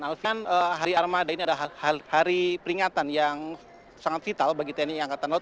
alfian hari armada ini adalah hari peringatan yang sangat vital bagi tni angkatan laut